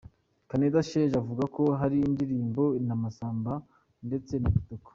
Kaneza Sheja avuga ko hari indirimbo na Masamba ndetse na Kitoko.